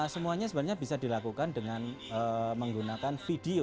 semuanya sebenarnya bisa dilakukan dengan menggunakan video